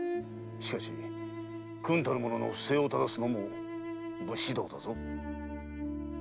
しかし君たる者の不正を正すのも武士道だぞ。